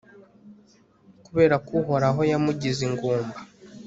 kubera ko uhoraho yamugize ingumba